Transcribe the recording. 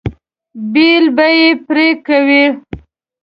بیل به یې پرې کوئ.